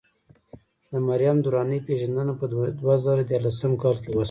د مریم درانۍ پېژندنه په دوه زره ديارلسم کال کې وشوه.